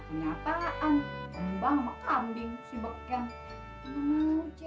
iya dah yang penting komisinya raya